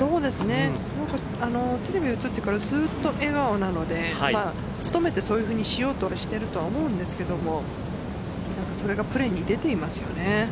テレビで映ってからずっと笑顔なので努めて、そういうふうにしようとしてるとは思うんですけどそれがプレーに出ていますよね。